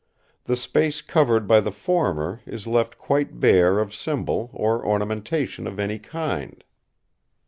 The space covered by the former is left quite bare of symbol or ornamentation of any kind.